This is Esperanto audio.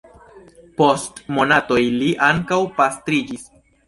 Post monatoj li ankaŭ pastriĝis.